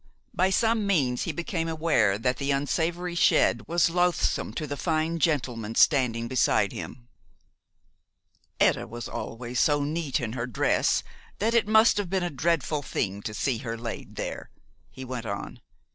By some means he became aware that the unsavory shed was loathsome to the fine gentleman standing beside him. "Etta was always so neat in her dress that it must have been a dreadful thing to see her laid there," he went on.